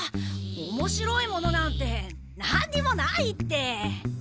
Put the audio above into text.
おもしろいものなんてなんにもないって。